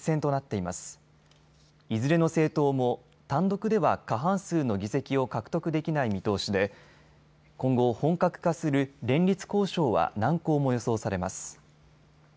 いずれの政党も単独では過半数の議席を獲得できない見通しで今後、本格化する連立交渉は難航も予想されます。